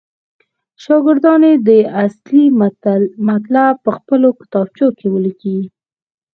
شاګردان دې اصلي مطلب پخپلو کتابچو کې ولیکي.